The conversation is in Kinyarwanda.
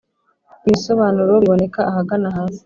Ibisobanuro biboneka ahagana hasi